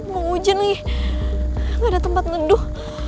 mau hujan lagi gak ada tempat ngeduh